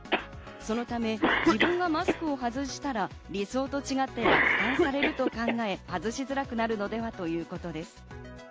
そのため自分がマスクを外したら、理想と違って落胆されると考え、外しづらくなるのではということです。